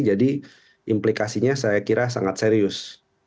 jadi implikasinya saya kira sangat serius